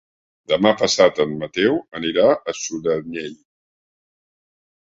Demà passat en Mateu anirà a Sudanell.